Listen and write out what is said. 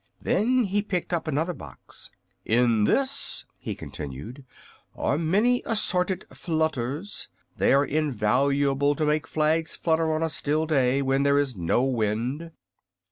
Then he picked up another box. "In this," he continued, "are many assorted flutters. They are invaluable to make flags flutter on a still day, when there is no wind.